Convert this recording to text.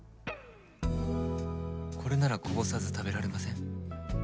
これならこぼさず食べられません？